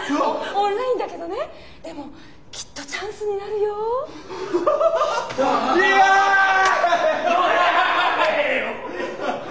オンラインだけどねでもきっとチャンスになるよ。来た。